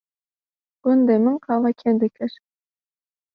gundê min qala kê dikir